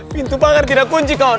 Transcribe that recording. pintu pagar tidak kunci kah